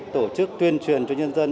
tổ chức tuyên truyền cho nhân dân